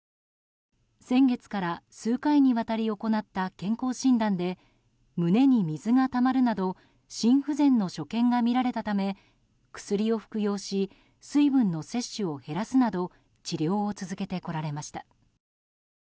先月から数回にわたり行った健康診断で胸に水がたまるなど心不全の所見が見られたため薬を服用し水分の摂取を減らすなど治療を続けてこられました。